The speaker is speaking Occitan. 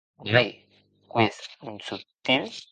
Vai!, qu'ès un subtil!